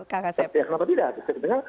kak kasep kenapa tidak